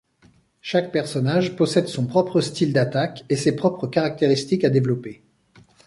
Chaque personnage possède son propre style d'attaque et ses propres caractéristiques à développer.